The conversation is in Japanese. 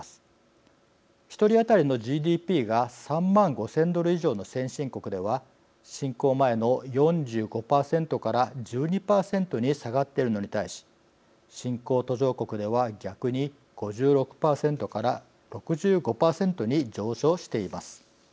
１人当たりのＧＤＰが３万５，０００ドル以上の先進国では侵攻前の４５％から１２％に下がっているのに対し新興・途上国では逆に５６％から６５％に上昇しています。